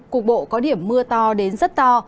cục bộ có điểm mưa to đến rất to